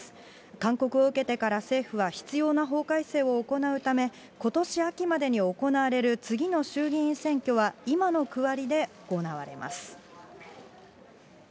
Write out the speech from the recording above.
勧告を受けてから政府は必要な法改正を行うため、ことし秋までに行われる次の衆議院選挙は今の区割りで行われます。